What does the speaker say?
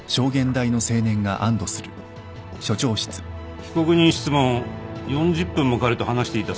被告人質問４０分も彼と話していたそうだね。